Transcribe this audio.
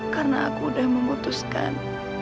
karena aku udah memutuskan